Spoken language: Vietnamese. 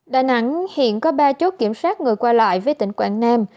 đà nẵng hiện có ba chốt kiểm soát người qua lại với tỉnh quảng nam